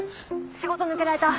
仕事抜けられた。